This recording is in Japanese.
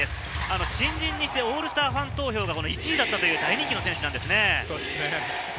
新人にしてオールスターファン投票が１位だったという大人気の選手です。